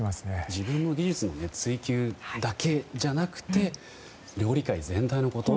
自分の技術の追求だけじゃなくて料理界全体のこと